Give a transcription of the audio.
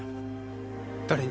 誰に？